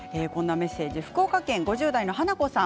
福岡県の５０代の方。